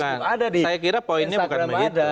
ada di instagram ada